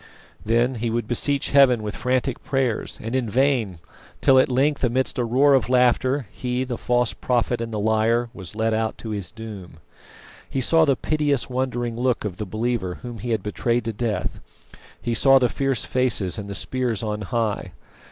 Then he would beseech Heaven with frantic prayers, and in vain, till at length, amidst a roar of laughter, he, the false prophet and the liar, was led out to his doom. He saw the piteous wondering look of the believer whom he had betrayed to death; he saw the fierce faces and the spears on high.